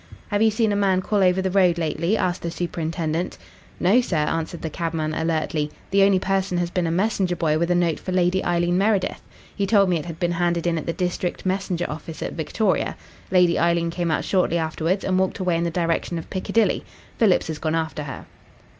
"Have you seen a man call over the road lately?" asked the superintendent. "No, sir," answered the cabman alertly. "The only person has been a messenger boy with a note for Lady Eileen Meredith. He told me it had been handed in at the district messenger office at Victoria. Lady Eileen came out shortly afterwards and walked away in the direction of Piccadilly. Phillips has gone after her."